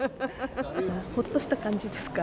ほっとした感じですか。